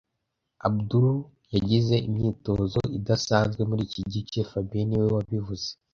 Abdul yagize imyitozo idasanzwe muriki gice fabien niwe wabivuze